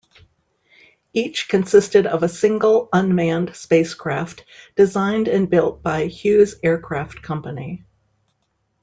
Each consisted of a single unmanned spacecraft designed and built by Hughes Aircraft Company.